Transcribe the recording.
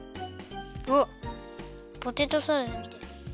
おっポテトサラダみたい。